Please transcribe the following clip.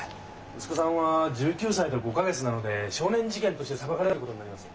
息子さんは１９歳と５か月なので少年事件として裁かれることになります。